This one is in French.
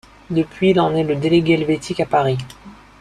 Depuis il en est le délégué helvétique à Paris.